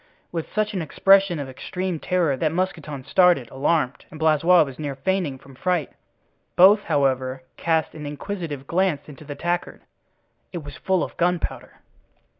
with such an expression of extreme terror that Mousqueton started, alarmed, and Blaisois was near fainting from fright. Both, however, cast an inquisitive glance into the tankard—it was full of gunpowder.